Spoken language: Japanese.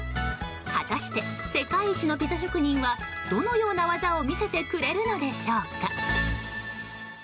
果たして、世界一のピザ職人はどのような技を見せてくれるのでしょうか？